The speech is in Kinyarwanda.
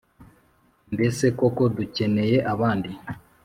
Mbese koko dukeneye abandi